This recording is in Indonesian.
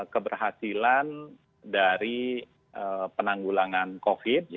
keberhasilan dari penanggulangan covid sembilan belas